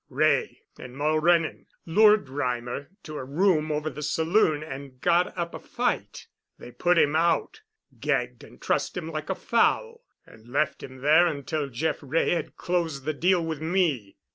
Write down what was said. "Wray and Mulrennan lured Reimer to a room over the saloon and got up a fight; they put him out, gagged and trussed him like a fowl, and left him there until Jeff Wray had closed the deal with me.